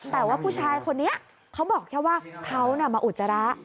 แต่ว่าผู้ชายคนนี้เขาบอกแค่ว่าเขามาอุจจาระ